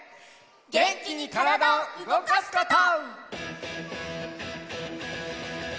げんきにからだをうごかすこと！